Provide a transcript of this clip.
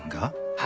はい。